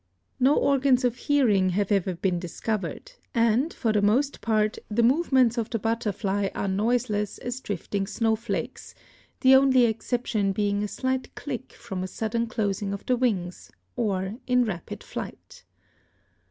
No organs of hearing have ever been discovered, and, for the most part, the movements of the butterfly are noiseless as drifting snow flakes, the only exception being a slight click from a sudden closing of the wings, or in rapid flight.